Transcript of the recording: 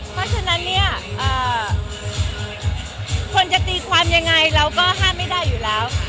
เพราะฉะนั้นเนี่ยคนจะตีความยังไงเราก็ห้ามไม่ได้อยู่แล้ว